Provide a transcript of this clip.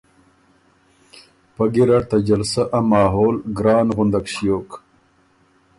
پۀ ګیرډ ته جلسه ا ماحول ګران غندک ݭیوک